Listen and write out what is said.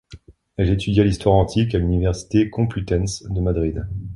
Elle étudia l'histoire antique à l'Université Complutense de Madrid.